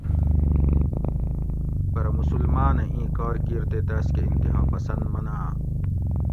پرہ مسلماۤنہ اِیں کار کِیر تے تاۤس کہ انتہاپسند مناۤں؟